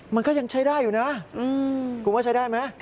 มันก็ยังใช้ได้อยู่นะคุณว่าใช้ได้ไหม